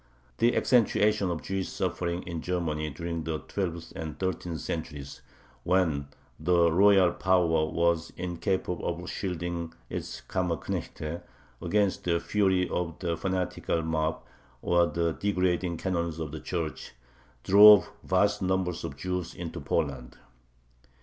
The accentuation of Jewish suffering in Germany during the twelfth and thirteenth centuries, when the royal power was incapable of shielding its Kammerknechte against the fury of the fanatical mob or the degrading canons of the Church, drove vast numbers of Jews into Poland.